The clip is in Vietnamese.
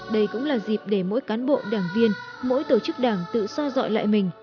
đây cũng là dịp để mỗi cán bộ đảng viên mỗi tổ chức đảng tự so dọi lại mình